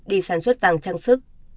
để sản xuất vàng trang sức